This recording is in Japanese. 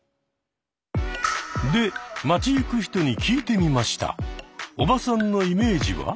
で街行く人に聞いてみました。